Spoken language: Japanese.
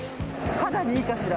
肌にいいかしら？